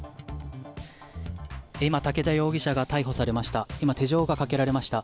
今、武田容疑者が逮捕されました。